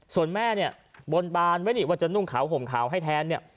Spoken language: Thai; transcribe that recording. ส่วนแม่บนบานว่าจะนุ่งขาวห่มขาวให้แทน